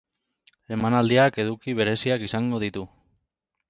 Emanaldiak eduki bereziak izango ditu.